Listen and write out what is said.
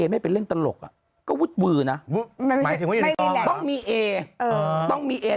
ไม่รับที่